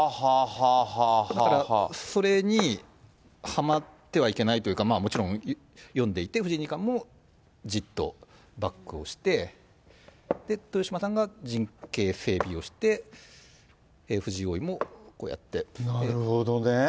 だからそれにはまってはいけないというか、もちろん、読んでいて、藤井二冠もじっとバックをして、豊島さんが陣形整備をして、藤井王位もこうやって。